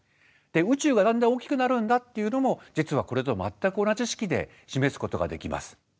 宇宙がだんだん大きくなるんだっていうのも実はこれと全く同じ式で示すことができます。